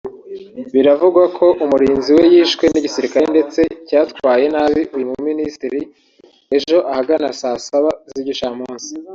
biravugwa ko umurinzi we yishwe n’igisirikare ndetse cyatwaye nabi uyu Minisitiri ejo ahagana saa saba z’igicamunsi